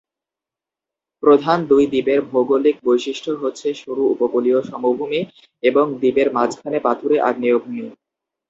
প্রধান দুই দ্বীপের ভৌগোলিক বৈশিষ্ট্য হচ্ছে সরু উপকূলীয় সমভূমি এবং দ্বীপের মাঝখানে পাথুরে আগ্নেয় ভূমি।